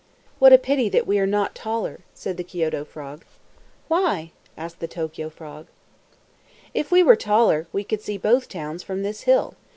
"What a pity that we are not taller!" said the Kioto frog. "Why?" asked the Tokio frog. "If we were taller, we could see both towns from this hill.